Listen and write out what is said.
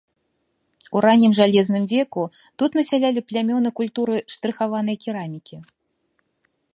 У раннім жалезным веку тут насялялі плямёны культуры штрыхаванай керамікі.